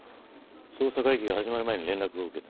捜査会議が始まる前に連絡を受けた。